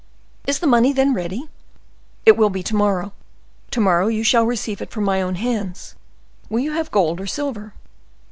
"Is the money, then, ready?" "It will be to morrow; to morrow you shall receive it from my own hands. Will you have gold or silver?"